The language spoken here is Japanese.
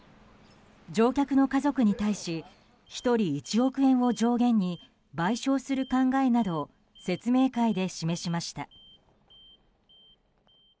乗客の家族に対し１人１億円を上限に賠償する考えなどを説明会で示しました。